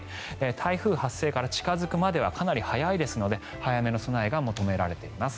台風発生から近付くまではかなり速いですので早めの備えが求められています。